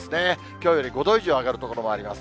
きょうより５度以上上がる所もあります。